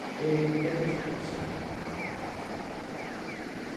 E ¿que pasou nese momento?